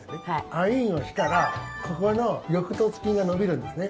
アイーンをしたらここの翼突筋が伸びるんですね。